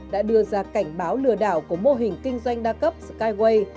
đã đưa ra cảnh báo lừa đảo của mô hình kinh doanh đa cấp skywei